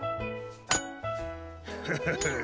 フフフッ。